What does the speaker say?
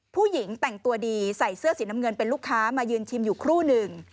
ผู้หญิงแต่งตัวดีใส่เสื้อสีน้ำเงินเป็นลูกค้ามายืนชิมอยู่ครู่หนึ่ง